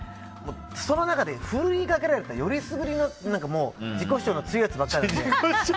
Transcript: その中で、ふるいにかけられた選りすぐりの自己主張のすごいやつばっかりなので。